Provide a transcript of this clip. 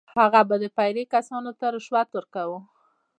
هغه به د پیرې کسانو ته رشوت ورکاوه.